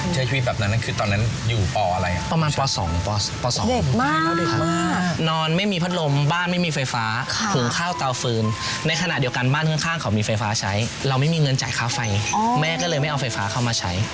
ชีวิตแบบนั้นคือตอนนั้นอยู่ปอะไรประมาณป๒ป๒บ้านนอนไม่มีพัดลมบ้านไม่มีไฟฟ้าถุงข้าวเตาฟืนในขณะเดียวกันบ้านข้างเขามีไฟฟ้าใช้เราไม่มีเงินจ่ายค่าไฟแม่ก็เลยไม่เอาไฟฟ้าเข้ามาใช้